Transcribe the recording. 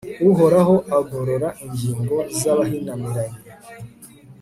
uhoraho agorora ingingo z'abahinamiranye